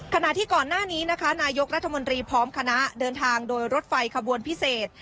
ขณะที่ก่อนหน้านี้นะคะนายกรัฐมนตรีพร้อมคณะเดินทางโดยรถไฟขบวนพิเศษ